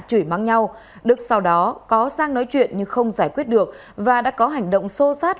chửi mắng nhau đức sau đó có sang nói chuyện nhưng không giải quyết được và đã có hành động sô sát